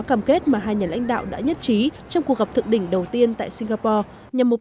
cam kết mà hai nhà lãnh đạo đã nhất trí trong cuộc gặp thượng đỉnh đầu tiên tại singapore nhằm mục